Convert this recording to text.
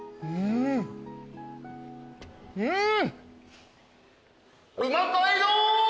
うん。